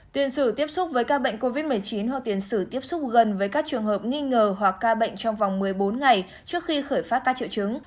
tuyên sử tiếp xúc với các bệnh covid một mươi chín hoặc tiền sử tiếp xúc gần với các trường hợp nghi ngờ hoặc ca bệnh trong vòng một mươi bốn ngày trước khi khởi phát các triệu chứng